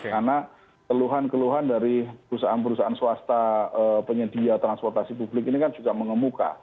karena keluhan keluhan dari perusahaan perusahaan swasta penyedia transportasi publik ini kan juga mengemuka